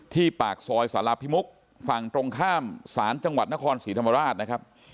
ปากซอยสารพิมุกฝั่งตรงข้ามศาลจังหวัดนครศรีธรรมราชนะครับ